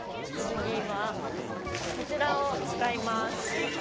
次はこちらを使います。